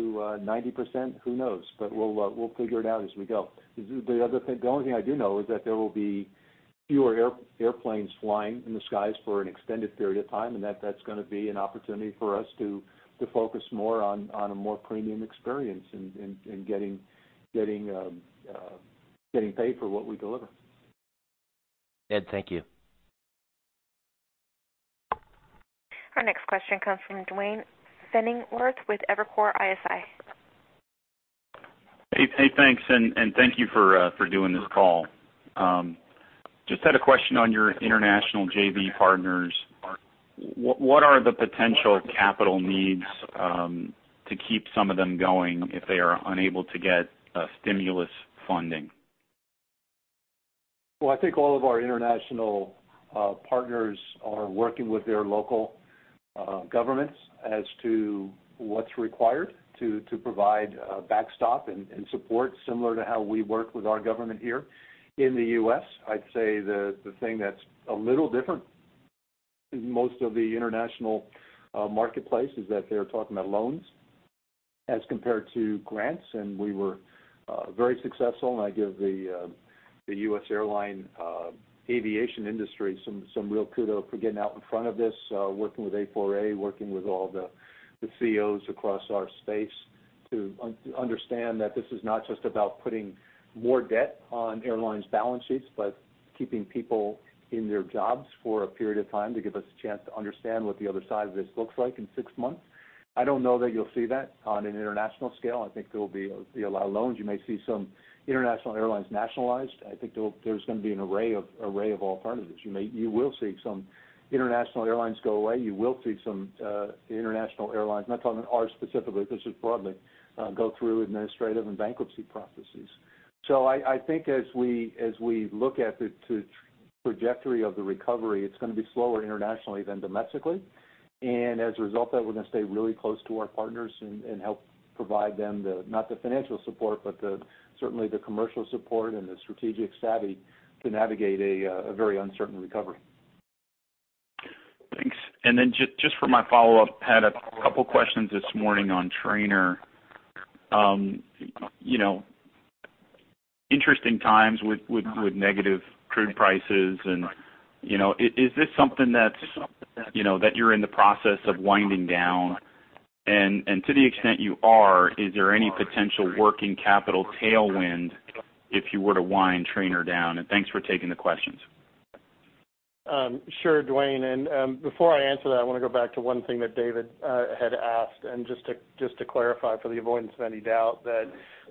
Speaker 3: 90%, who knows? We'll figure it out as we go. The other thing, the only thing I do know is that there will be fewer airplanes flying in the skies for an extended period of time, and that's going to be an opportunity for us to focus more on a more premium experience and getting paid for what we deliver.
Speaker 11: Ed, thank you.
Speaker 1: Our next question comes from Duane Pfennigwerth with Evercore ISI.
Speaker 12: Hey, thanks, and thank you for doing this call. Just had a question on your international JV partners. What are the potential capital needs to keep some of them going if they are unable to get stimulus funding?
Speaker 3: Well, I think all of our international partners are working with their local governments as to what's required to provide backstop and support, similar to how we work with our government here in the U.S. I'd say the thing that's a little different in most of the international marketplace is that they're talking about loans as compared to grants. We were very successful, and I give the U.S. airline aviation industry some real kudos for getting out in front of this, working with A4A, working with all the CEOs across our space to understand that this is not just about putting more debt on airlines' balance sheets, but keeping people in their jobs for a period of time to give us a chance to understand what the other side of this looks like in six months. I don't know that you'll see that on an international scale. I think there will be a lot of loans. You may see some international airlines nationalized. I think there's going to be an array of alternatives. You will see some international airlines go away. You will see some international airlines, I'm not talking ours specifically, this is broadly, go through administrative and bankruptcy processes. I think as we look at the trajectory of the recovery, it's going to be slower internationally than domestically. As a result of that, we're going to stay really close to our partners and help provide them the, not the financial support, but certainly the commercial support and the strategic savvy to navigate a very uncertain recovery.
Speaker 12: Thanks. Just for my follow-up, had a couple questions this morning on Trainer. Interesting times with negative crude prices, is this something that you're in the process of winding down? To the extent you are, is there any potential working capital tailwind if you were to wind Trainer down? Thanks for taking the questions.
Speaker 4: Sure, Duane. Before I answer that, I want to go back to one thing that David had asked and just to clarify for the avoidance of any doubt that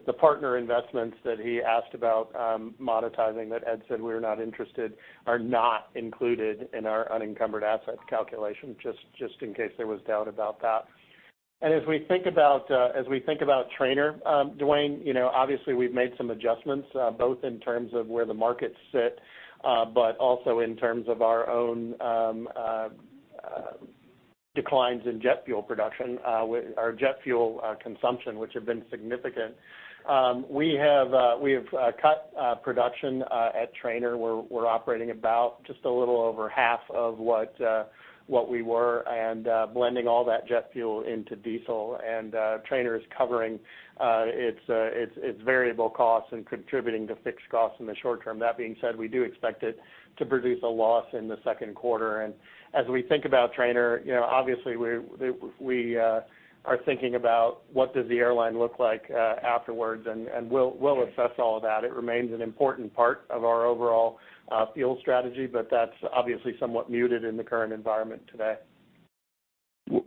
Speaker 4: the partner investments that he asked about monetizing that Ed said we were not interested, are not included in our unencumbered assets calculation, just in case there was doubt about that. As we think about Trainer, Duane, obviously we've made some adjustments, both in terms of where the markets sit, but also in terms of our own declines in jet fuel production, our jet fuel consumption, which have been significant. We have cut production at Trainer. We're operating about just a little over half of what we were and blending all that jet fuel into diesel, and Trainer is covering its variable costs and contributing to fixed costs in the short term. That being said, we do expect it to produce a loss in the second quarter. As we think about Trainer, obviously we are thinking about what does the airline look like afterwards, and we'll assess all of that. It remains an important part of our overall fuel strategy, but that's obviously somewhat muted in the current environment today.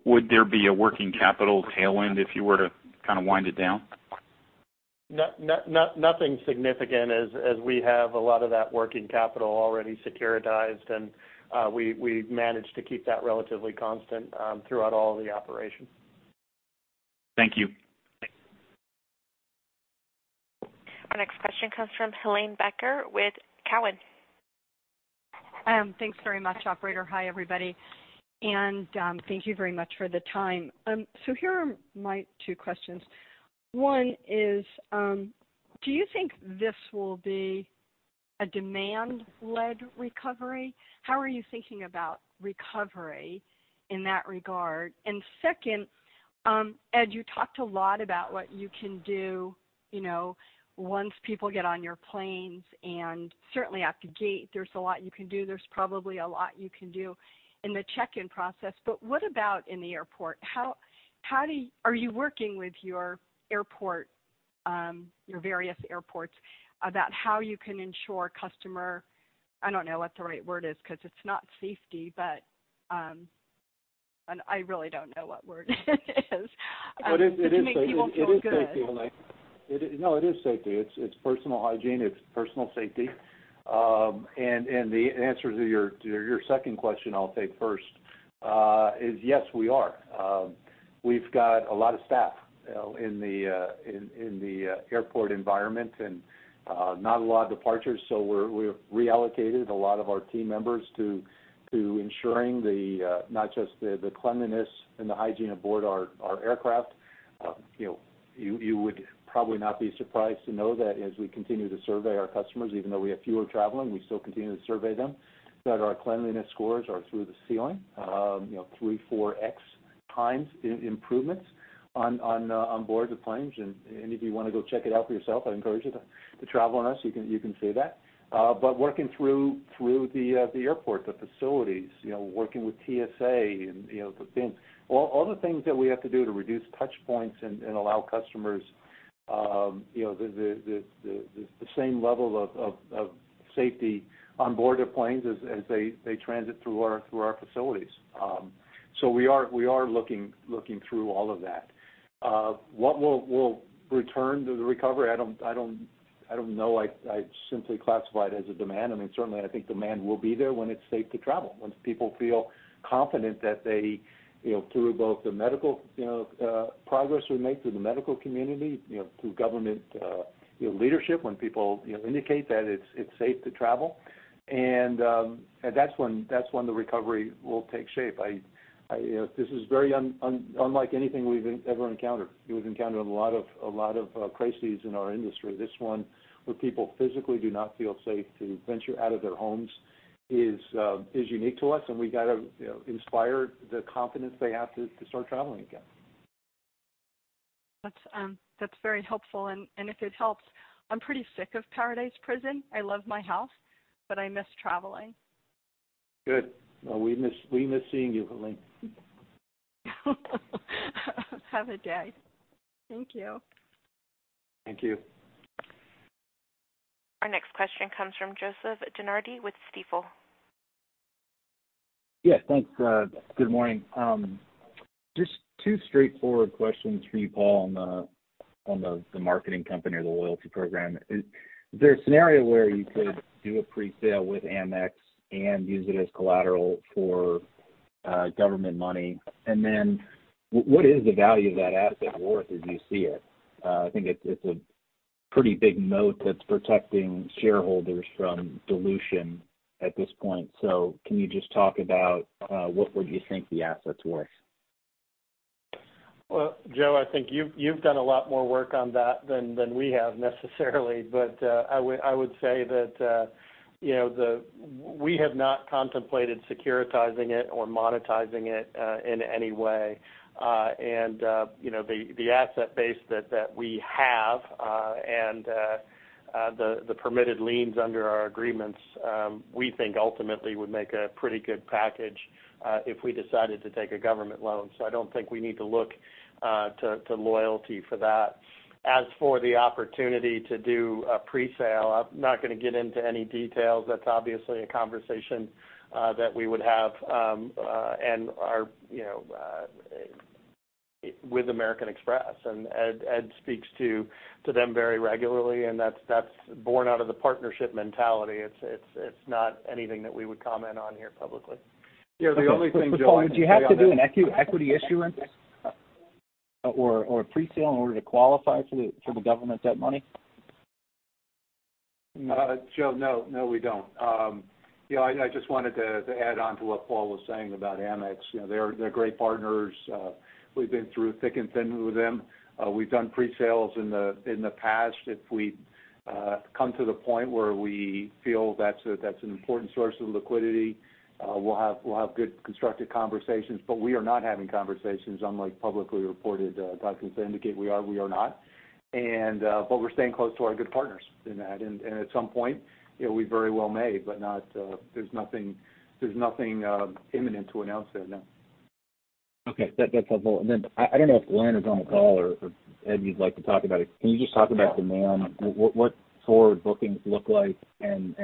Speaker 12: Would there be a working capital tail end if you were to kind of wind it down?
Speaker 4: Nothing significant as we have a lot of that working capital already securitized, and we've managed to keep that relatively constant throughout all the operations.
Speaker 12: Thank you.
Speaker 1: Our next question comes from Helane Becker with Cowen.
Speaker 13: Thanks very much, operator. Hi, everybody, thank you very much for the time. Here are my two questions. One is, do you think this will be a demand-led recovery? How are you thinking about recovery in that regard? Second, Ed, you talked a lot about what you can do once people get on your planes and certainly at the gate, there's a lot you can do. There's probably a lot you can do in the check-in process. What about in the airport? Are you working with your various airports about how you can ensure customer, I don't know what the right word is, because it's not safety, I really don't know what word it is.
Speaker 4: It is safety.
Speaker 13: That make people feel good.
Speaker 3: It is safety, Helane. No, it is safety. It's personal hygiene. It's personal safety. The answer to your second question I'll take first, is yes, we are. We've got a lot of staff in the airport environment and not a lot of departures. We've reallocated a lot of our team members to ensuring not just the cleanliness and the hygiene aboard our aircraft. You would probably not be surprised to know that as we continue to survey our customers, even though we have fewer traveling, we still continue to survey them, that our cleanliness scores are through the ceiling 3x, 4x improvements on board the planes. If you want to go check it out for yourself, I'd encourage you to travel on us. You can see that. Working through the airport, the facilities, working with TSA and all the things that we have to do to reduce touchpoints and allow customers the same level of safety on board the planes as they transit through our facilities. We are looking through all of that. What will return to the recovery, I don't know. I simply classify it as a demand. Certainly, I think demand will be there when it's safe to travel, once people feel confident that they, through both the medical progress we make through the medical community, through government leadership, when people indicate that it's safe to travel, and that's when the recovery will take shape. This is very unlike anything we've ever encountered. We've encountered a lot of crises in our industry. This one where people physically do not feel safe to venture out of their homes is unique to us, and we got to inspire the confidence they have to start traveling again.
Speaker 13: That's very helpful, and if it helps, I'm pretty sick of paradise prison. I love my house, but I miss traveling.
Speaker 3: Good. Well, we miss seeing you, Helane.
Speaker 13: Have a day. Thank you.
Speaker 3: Thank you.
Speaker 1: Our next question comes from Joseph DeNardi with Stifel.
Speaker 14: Yes, thanks. Good morning. Just two straightforward questions for you, Paul, on the marketing company or the loyalty program. Is there a scenario where you could do a pre-sale with Amex and use it as collateral for government money? What is the value of that asset worth as you see it? I think it's a pretty big moat that's protecting shareholders from dilution at this point. Can you just talk about what would you think the asset's worth?
Speaker 4: Well, Joe, I think you've done a lot more work on that than we have necessarily. I would say that we have not contemplated securitizing it or monetizing it in any way. The asset base that we have and the permitted liens under our agreements we think ultimately would make a pretty good package if we decided to take a government loan. I don't think we need to look to loyalty for that. As for the opportunity to do a pre-sale, I'm not going to get into any details. That's obviously a conversation that we would have with American Express, and Ed speaks to them very regularly, and that's born out of the partnership mentality. It's not anything that we would comment on here publicly.
Speaker 3: Yeah, the only thing, Joe, I would say on that.
Speaker 14: Would you have to do an equity issuance or a pre-sale in order to qualify for the government debt money?
Speaker 3: Joe, no, we don't. I just wanted to add onto what Paul was saying about Amex. They're great partners. We've been through thick and thin with them. We've done pre-sales in the past. If we come to the point where we feel that's an important source of liquidity, we'll have good constructive conversations. We are not having conversations unlike publicly reported documents indicate we are, we are not. We're staying close to our good partners in that. At some point, we very well may, but there's nothing imminent to announce there, no.
Speaker 14: Okay. That's helpful. I don't know if Glen is on the call or, Ed, you'd like to talk about it. Can you just talk about demand? What forward bookings look like and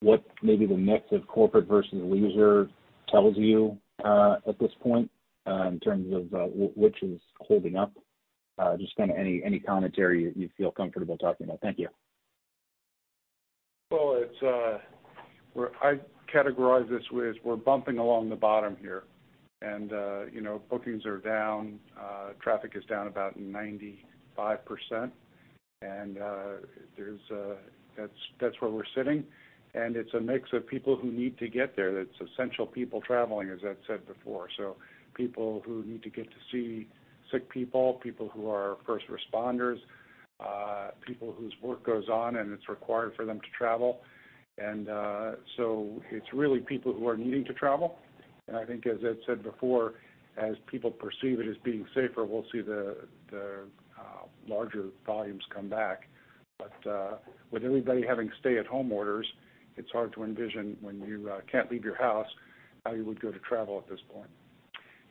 Speaker 14: what maybe the mix of corporate versus leisure tells you, at this point, in terms of which is holding up? Just kind of any commentary you feel comfortable talking about. Thank you.
Speaker 15: Well, I categorize this with we're bumping along the bottom here. Bookings are down, traffic is down about 95%, and that's where we're sitting. It's a mix of people who need to get there. That's essential people traveling, as Ed said before. People who need to get to see sick people who are first responders, people whose work goes on, and it's required for them to travel. It's really people who are needing to travel. I think, as Ed said before, as people perceive it as being safer, we'll see the larger volumes come back. With everybody having stay-at-home orders, it's hard to envision when you can't leave your house how you would go to travel at this point.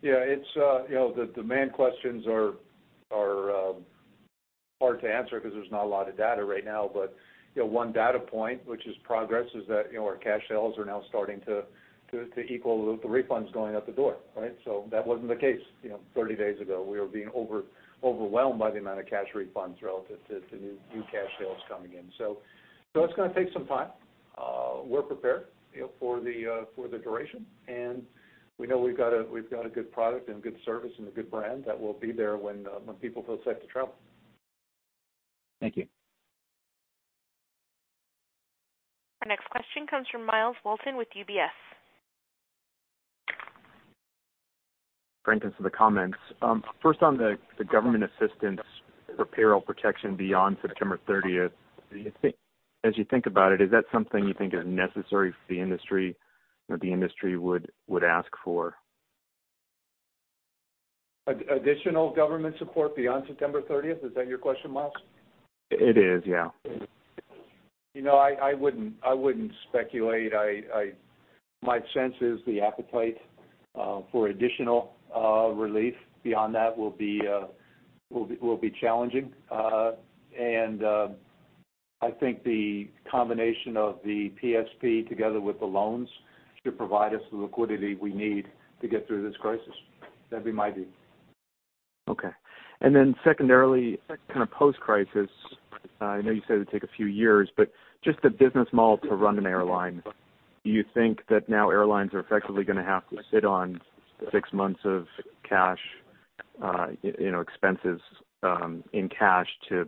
Speaker 4: Yeah. The demand questions are hard to answer because there's not a lot of data right now, but one data point, which is progress, is that our cash sales are now starting to equal the refunds going out the door, right? That wasn't the case 30 days ago. We were being overwhelmed by the amount of cash refunds relative to new cash sales coming in. It's going to take some time. We're prepared for the duration, and we know we've got a good product and good service and a good brand that will be there when people feel safe to travel.
Speaker 14: Thank you.
Speaker 1: Our next question comes from Myles Walton with UBS.
Speaker 16: Thank you for the comments. First on the government assistance for payroll protection beyond September 30th, as you think about it, is that something you think is necessary for the industry or the industry would ask for?
Speaker 3: Additional government support beyond September 30th, is that your question, Myles?
Speaker 16: It is, yeah.
Speaker 3: I wouldn't speculate. My sense is the appetite for additional relief beyond that will be challenging. I think the combination of the PSP together with the loans should provide us the liquidity we need to get through this crisis. That'd be my view.
Speaker 16: Okay. Secondarily, kind of post-crisis, I know you said it'd take a few years, but just the business model to run an airline, do you think that now airlines are effectively going to have to sit on six months of cash, expenses in cash to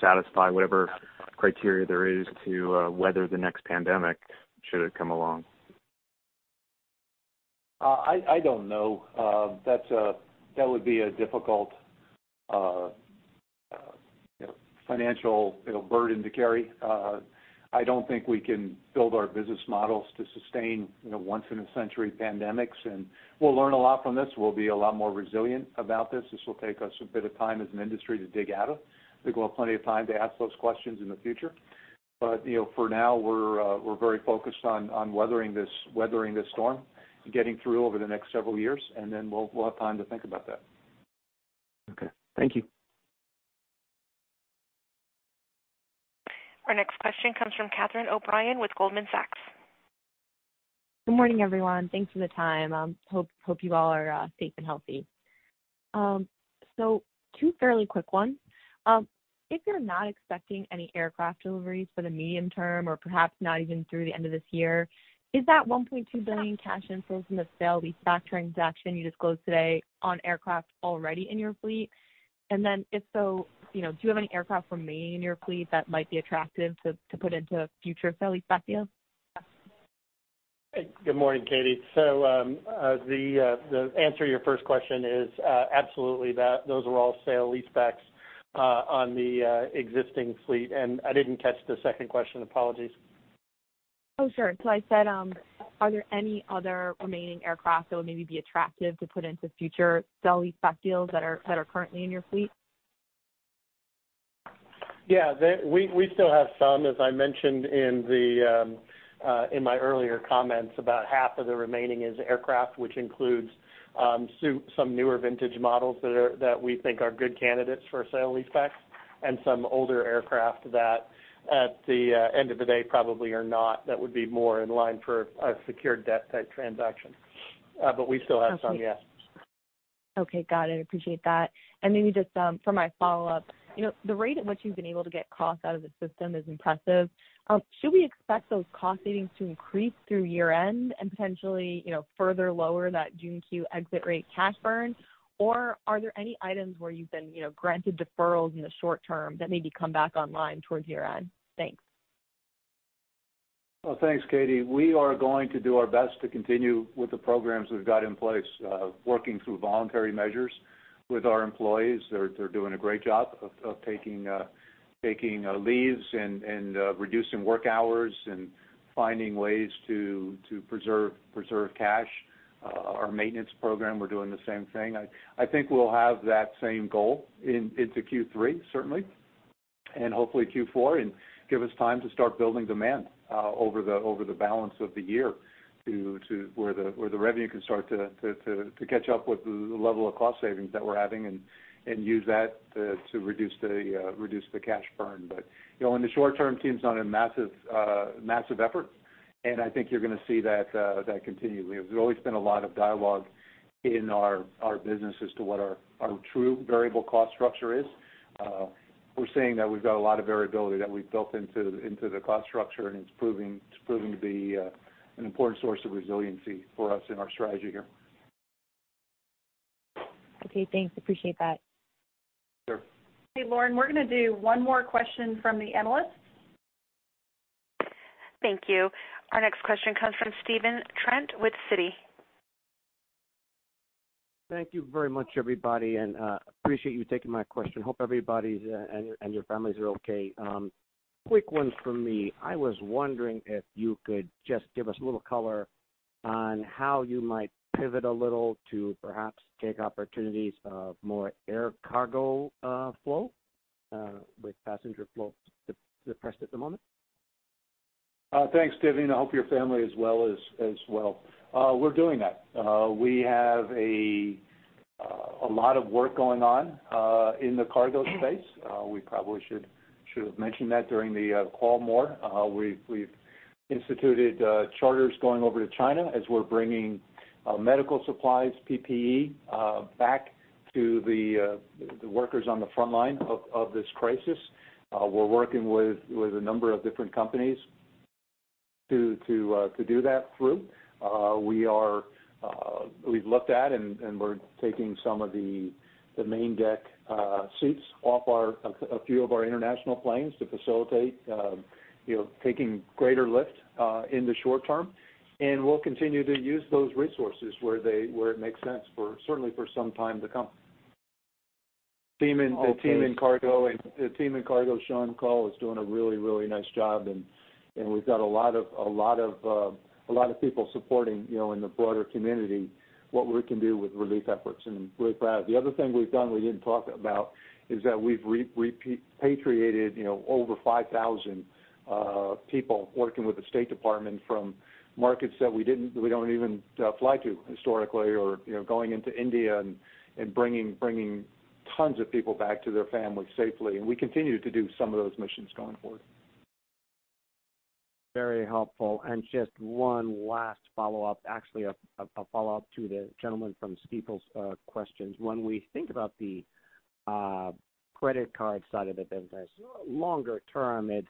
Speaker 16: satisfy whatever criteria there is to weather the next pandemic, should it come along?
Speaker 4: I don't know. That would be a difficult financial burden to carry. I don't think we can build our business models to sustain once in a century pandemics, and we'll learn a lot from this. We'll be a lot more resilient about this. This will take us a bit of time as an industry to dig out of. I think we'll have plenty of time to ask those questions in the future. For now, we're very focused on weathering this storm and getting through over the next several years, and then we'll have time to think about that.
Speaker 16: Okay. Thank you.
Speaker 1: Our next question comes from Catherine O'Brien with Goldman Sachs.
Speaker 17: Good morning, everyone. Thanks for the time. Hope you all are safe and healthy. Two fairly quick ones. If you're not expecting any aircraft deliveries for the medium term, or perhaps not even through the end of this year, is that $1.2 billion cash inflows from the sale leaseback transaction you disclosed today on aircraft already in your fleet? If so, do you have any aircraft remaining in your fleet that might be attractive to put into future sale leaseback deals?
Speaker 4: Good morning, Catie. The answer to your first question is absolutely those are all sale leasebacks on the existing fleet. I didn't catch the second question. Apologies.
Speaker 17: Oh, sure. I said, are there any other remaining aircraft that would maybe be attractive to put into future sale leaseback deals that are currently in your fleet?
Speaker 4: Yeah, we still have some. As I mentioned in my earlier comments, about half of the remaining is aircraft, which includes some newer vintage models that we think are good candidates for a sale leaseback. Some older aircraft that at the end of the day probably are not, that would be more in line for a secured debt type transaction. We still have some, yes.
Speaker 17: Okay. Got it. Appreciate that. Maybe just for my follow-up, the rate at which you've been able to get cost out of the system is impressive. Should we expect those cost savings to increase through year-end and potentially further lower that June Q exit rate cash burn? Or are there any items where you've been granted deferrals in the short term that maybe come back online towards year-end? Thanks.
Speaker 3: Well, thanks, Catie. We are going to do our best to continue with the programs we've got in place, working through voluntary measures with our employees. They're doing a great job of taking leaves and reducing work hours and finding ways to preserve cash. Our maintenance program, we're doing the same thing. I think we'll have that same goal into Q3, certainly, and hopefully Q4, and give us time to start building demand over the balance of the year to where the revenue can start to catch up with the level of cost savings that we're having and use that to reduce the cash burn. In the short term, the team's done a massive effort, and I think you're going to see that continually. There's always been a lot of dialogue in our business as to what our true variable cost structure is. We're seeing that we've got a lot of variability that we've built into the cost structure, and it's proving to be an important source of resiliency for us in our strategy here.
Speaker 17: Okay, thanks. Appreciate that.
Speaker 3: Sure.
Speaker 2: Okay, Lauren, we're going to do one more question from the analysts.
Speaker 1: Thank you. Our next question comes from Stephen Trent with Citi.
Speaker 18: Thank you very much, everybody, and appreciate you taking my question. Hope everybody and your families are okay. Quick one from me. I was wondering if you could just give us a little color on how you might pivot a little to perhaps take opportunities of more air cargo flow, with passenger flow suppressed at the moment.
Speaker 3: Thanks, Stephen. I hope your family is well as well. We're doing that. We have a lot of work going on in the cargo space. We probably should have mentioned that during the call more. We've instituted charters going over to China as we're bringing medical supplies, PPE, back to the workers on the frontline of this crisis. We're working with a number of different companies to do that through. We've looked at and we're taking some of the main deck seats off a few of our international planes to facilitate taking greater lift in the short term, and we'll continue to use those resources where it makes sense, certainly for some time to come.
Speaker 18: Okay.
Speaker 3: The team in cargo, Shawn Cole, is doing a really, really nice job. We've got a lot of people supporting in the broader community what we can do with relief efforts. We're proud. The other thing we've done we didn't talk about is that we've repatriated over 5,000 people working with the State Department from markets that we don't even fly to historically, or going into India and bringing tons of people back to their families safely. We continue to do some of those missions going forward.
Speaker 18: Very helpful. Just one last follow-up, actually, a follow-up to the gentleman from Stifel's questions. When we think about the credit card side of the business, longer term, it's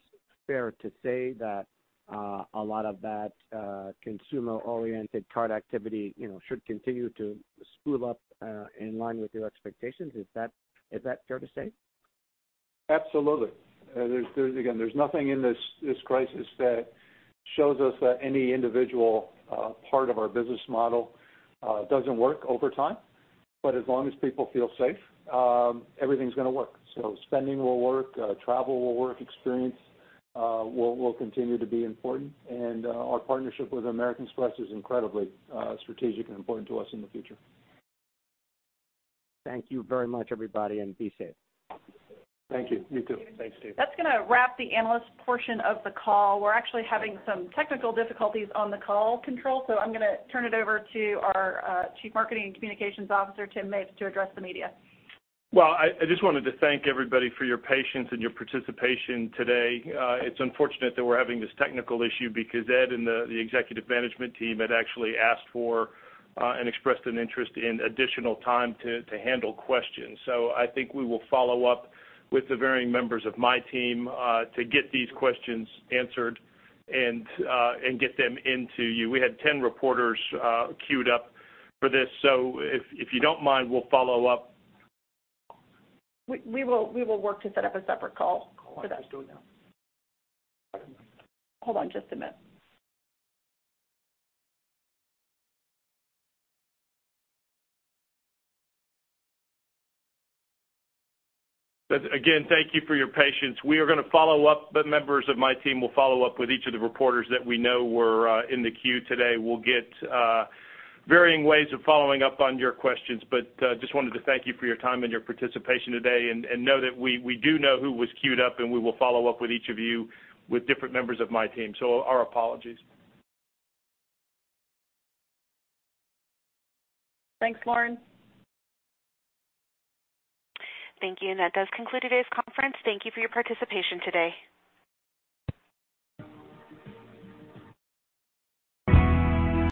Speaker 18: fair to say that a lot of that consumer-oriented card activity should continue to spool up in line with your expectations. Is that fair to say?
Speaker 3: Absolutely. There's nothing in this crisis that shows us that any individual part of our business model doesn't work over time. As long as people feel safe, everything's going to work. Spending will work, travel will work, experience will continue to be important, and our partnership with American Express is incredibly strategic and important to us in the future.
Speaker 18: Thank you very much, everybody, and be safe.
Speaker 3: Thank you. You too.
Speaker 4: Thanks, Stephen.
Speaker 2: That's going to wrap the analyst portion of the call. We're actually having some technical difficulties on the call, control, so I'm going to turn it over to our Chief Marketing and Communications Officer, Tim Mapes, to address the media.
Speaker 19: Well, I just wanted to thank everybody for your patience and your participation today. It's unfortunate that we're having this technical issue because Ed and the executive management team had actually asked for and expressed an interest in additional time to handle questions. I think we will follow up with the varying members of my team to get these questions answered and get them into you. We had 10 reporters queued up for this, if you don't mind, we'll follow up.
Speaker 2: We will work to set up a separate call for that.
Speaker 19: Let's do it now.
Speaker 2: Hold on just a minute.
Speaker 19: Again, thank you for your patience. We are going to follow up, the members of my team will follow up with each of the reporters that we know were in the queue today. We'll get varying ways of following up on your questions. Just wanted to thank you for your time and your participation today, and know that we do know who was queued up, and we will follow up with each of you with different members of my team. Our apologies.
Speaker 2: Thanks, Lauren.
Speaker 1: Thank you. That does conclude today's conference. Thank you for your participation today.